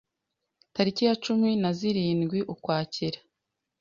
tariki ya cumi naz zirindwi Ukwakira